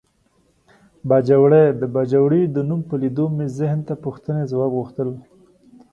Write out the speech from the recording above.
باجوړی د باجوړي د نوم په لیدو مې ذهن ته پوښتنې ځواب غوښتل.